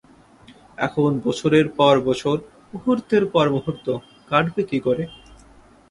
এখন বছরের পর বছর মূহূর্তের পর মূহূর্ত কাটবে কী করে?